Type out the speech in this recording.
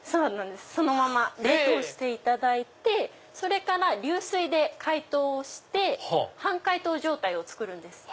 そのまま冷凍していただいてそれから流水で解凍をして半解凍状態を作るんです。